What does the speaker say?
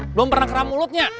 belum pernah keram mulutnya